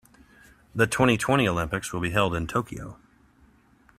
The twenty-twenty Olympics will be held in Tokyo.